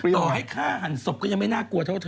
ต่อให้ฆ่าหันศพก็ยังไม่น่ากลัวเท่าเธอ